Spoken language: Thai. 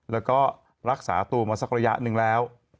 แล้วก็รักษาตัวมาสักระยะหนึ่งแล้ว